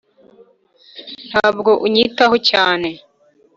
ntabwo unyitaho cyane,